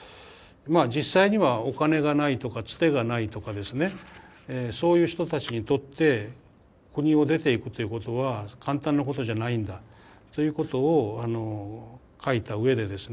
まあ実際にはお金がないとかつてがないとかですねそういう人たちにとって国を出ていくということは簡単なことじゃないんだということを書いた上でですね